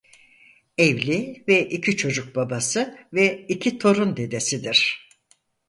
Evli ve iki çocuk babası ve iki torun dedesidir.